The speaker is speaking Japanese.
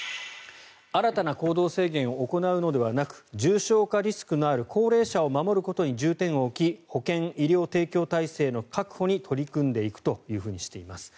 新たな行動制限を行うのではなく重症化リスクのある高齢者を守ることに重点を置き保健・医療提供体制の確保に取り組んでいくとしています。